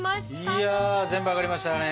いや全部揚がりましたね。